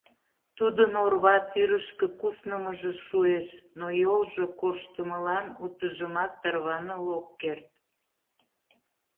Тудын орва тӱрышкӧ куснымыжо шуэш, но йолжо корштымылан утыжымак тарваныл ок керт.